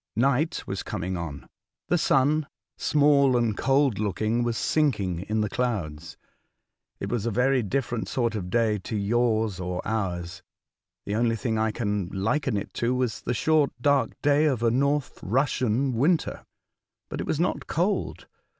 Night was coming on. The sun, small and cold looking, was sinking in the clouds. It was a very different sort of day to yours or ours. The only thing I can liken it to was the short, dark day of a North Russian winter. But it was not cold.